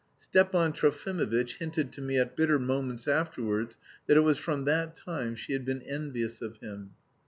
Stepan Trofimovitch hinted to me at bitter moments afterwards that it was from that time she had been envious of him.